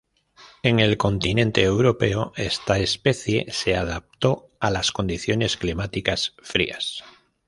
En el continente europeo esta especie se adaptó a las condiciones climáticas frías.